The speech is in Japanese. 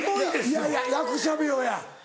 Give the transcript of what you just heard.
いやいや役者病や。